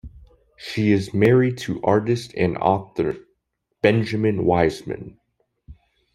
She is married to artist and author Benjamin Weissman.